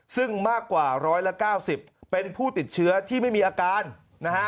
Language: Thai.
ซึ่งมากกว่า๑๙๐เป็นผู้ติดเชื้อที่ไม่มีอาการนะฮะ